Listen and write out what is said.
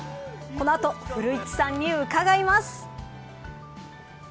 この後、古市さんに伺います。